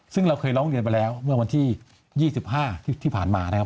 ซึ่งเราเคยร้องเรียนไปแล้วเมื่อวันที่๒๕ที่ผ่านมานะครับ